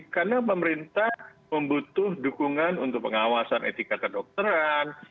karena pemerintah membutuh dukungan untuk pengawasan etika kedokteran